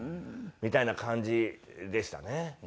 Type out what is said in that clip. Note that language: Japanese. みたいな感じでしたね。